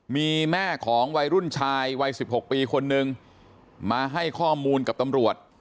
มีแม่ของวัยรุ่นชายวัย๑๖ปีคนนึงมาให้ข้อมูลกับตำรวจ